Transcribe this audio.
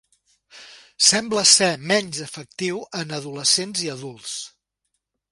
Sembla ser menys efectiu en adolescents i adults.